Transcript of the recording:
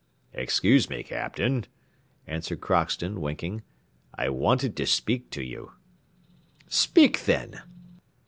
"Excuse me, Captain," answered Crockston, winking, "I wanted to speak to you." "Speak, then."